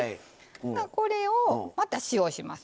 これをまた塩します。